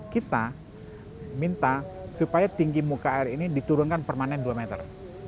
kita minta supaya tinggi muka air ini diturunkan permanen dua meter